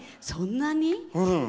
そんなに？